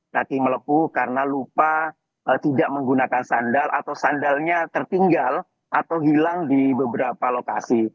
kaki melepuh karena lupa tidak menggunakan sandal atau sandalnya tertinggal atau hilang di beberapa lokasi